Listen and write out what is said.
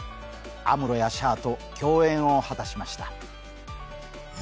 アムロやシャアと共演を果たしました。